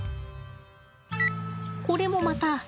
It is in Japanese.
これもまた。